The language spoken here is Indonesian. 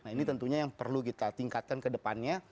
nah ini tentunya yang perlu kita tingkatkan ke depannya